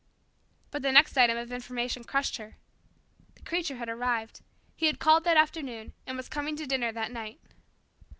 But the next item of information crushed her. The Creature had arrived. He had called that afternoon, and was coming to dinner that night.